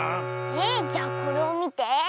えっじゃこれをみて！